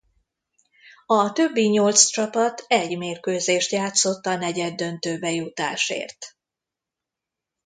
A többi nyolc csapat egy mérkőzést játszott a negyeddöntőbe jutásért.